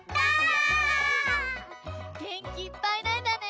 げんきいっぱいなんだね。